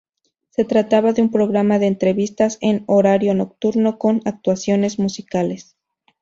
Se trataba de un programa de entrevistas en horario nocturno, con actuaciones musicales.